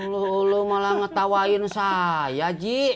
lo malah mengetawain saya ji